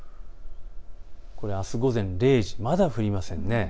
これはあす午前０時まだ降りません。